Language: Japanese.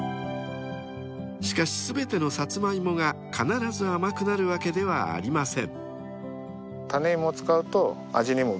［しかし全てのサツマイモが必ず甘くなるわけではありません］